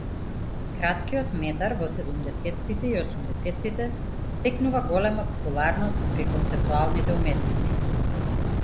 Краткиот метар во седумдесеттите и осумдесеттите стекнува голема популарност кај концептуалните уметници.